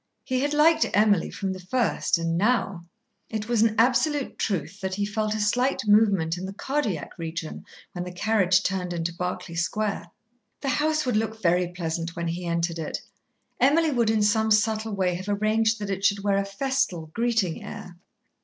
He had liked Emily from the first, and now It was an absolute truth that he felt a slight movement in the cardiac region when the carriage turned into Berkeley Square. The house would look very pleasant when he entered it. Emily would in some subtle way have arranged that it should wear a festal, greeting air.